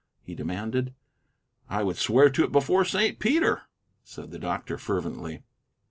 he demanded. "I would swear to it before Saint Peter," said the doctor, fervently.